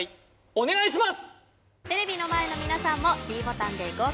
お願いします